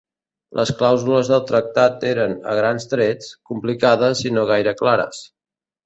Les clàusules del tractat eren, a grans trets, complicades i no gaire clares.